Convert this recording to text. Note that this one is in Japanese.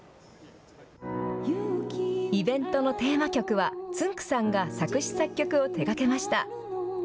イベントのテーマ曲はつんく♂さんが作詞作曲を手がけました。